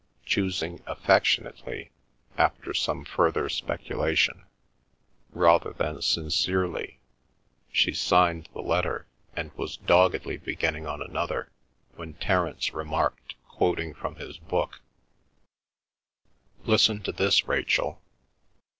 Choosing "affectionately," after some further speculation, rather than sincerely, she signed the letter and was doggedly beginning on another when Terence remarked, quoting from his book: "Listen to this, Rachel.